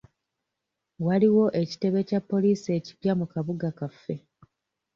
Waliwo ekitebe kya poliisi ekipya mu kabuga kaffe.